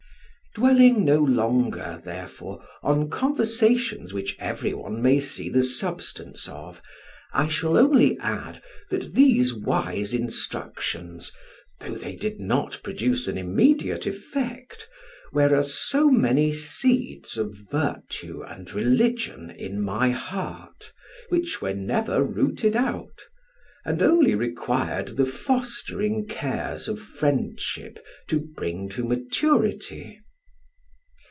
Dwelling no longer, therefore, on conversations which everyone may see the substance of, I shall only add, that these wise instructions (though they did not produce an immediate effect) were as so many seeds of virtue and religion in my heart which were never rooted out, and only required the fostering cares of friendship to bring to maturity.